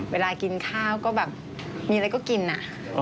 เวลากินข้าวก็แบบมีอะไรก็กินอะ